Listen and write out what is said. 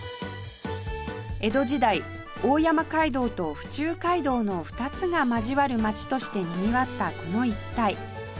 江戸時代大山街道と府中街道の２つが交わる街としてにぎわったこの一帯